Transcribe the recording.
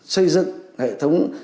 xây dựng hệ thống